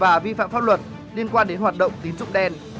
và vi phạm pháp luật liên quan đến hoạt động tín dụng đen